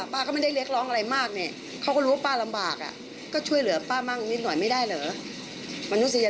ป้าขอแค่๒แสนพอป้าไม่ได้ขออย่างเยอะแยะ